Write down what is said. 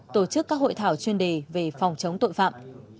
tổ chức các hội thảo chuyên đề về phòng chống tội phạm